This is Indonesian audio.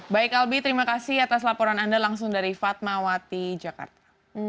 baik albi terima kasih atas laporan anda langsung dari fatmawati jakarta